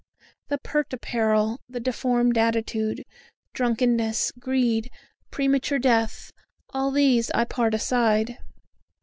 The pert apparel, the deformed attitude, drunkenness, greed, premature death, all these I part aside.